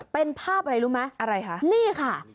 เป็นภาพอะไรรู้ไหมอะไรคะนี่ค่ะ